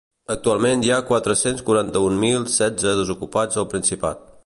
Actualment hi ha quatre-cents quaranta-un mil setze desocupats al Principat.